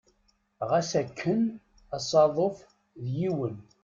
Ɣas akken asaḍuf d yiwen.